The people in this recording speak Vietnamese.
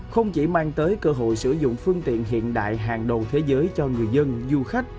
không chỉ mang tới cơ hội sử dụng phương tiện hiện đại hàng đầu thế giới cho người dân du khách